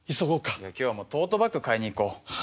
いや今日はもうトートバッグ買いに行こう。